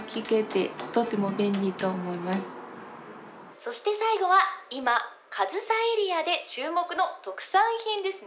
そして最後は今、かずさエリアで注目の特産品ですね。